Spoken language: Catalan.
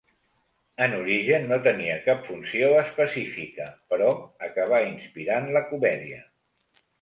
En origen no tenia cap funció específica però acabà inspirant la comèdia.